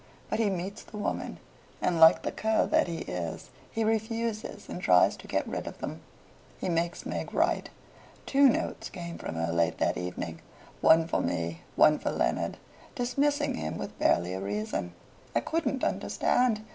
But he meets the woman, and, like the cur that he is, he refuses, and tries to get rid of them. He makes Meg write. Two notes came from her late that evening one for me, one for Leonard, dismissing him with barely a reason. I couldn't understand.